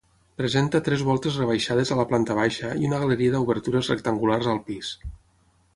Presenta tres voltes rebaixades a la planta baixa i una galeria d'obertures rectangulars al pis.